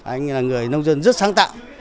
anh là người nông dân rất sáng tạo